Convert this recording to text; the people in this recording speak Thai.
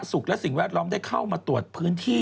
สิ่งและสิ่งแวดล้อมได้เข้ามาตรวจพื้นที่